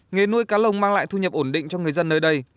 nghề nuôi cá lồng mang lại thu nhập ổn định cho người dân nơi đây